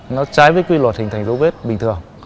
nó trái với quy luật hình thành dấu vết bình thường